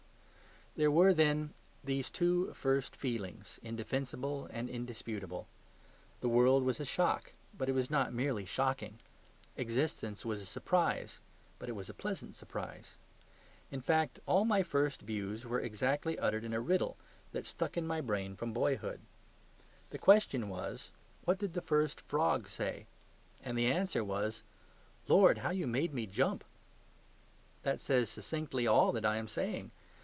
There were, then, these two first feelings, indefensible and indisputable. The world was a shock, but it was not merely shocking; existence was a surprise, but it was a pleasant surprise. In fact, all my first views were exactly uttered in a riddle that stuck in my brain from boyhood. The question was, "What did the first frog say?" And the answer was, "Lord, how you made me jump!" That says succinctly all that I am saying.